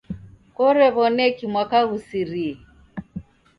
Korew'oneki mwaka ghusirie?